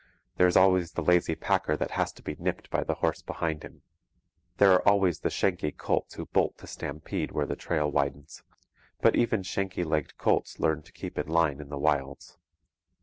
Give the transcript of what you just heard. There is always the lazy packer that has to be nipped by the horse behind him. There are always the shanky colts who bolt to stampede where the trail widens; but even shanky legged colts learn to keep in line in the wilds.